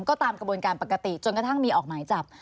ก็ตามกระบวนการปกติจนกระทั่งมีออกหมายจับ